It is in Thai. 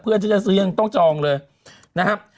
เพื่อที่จะซื้อยังต้องจองเลยนะครับ